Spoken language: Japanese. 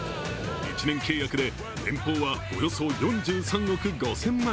１年契約で、年俸はおよそ４３億５０００万円。